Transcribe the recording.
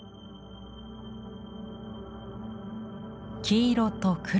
黄色と黒。